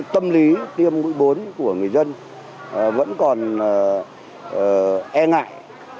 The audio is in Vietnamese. tiêm mũi bốn của người dân vẫn còn e ngại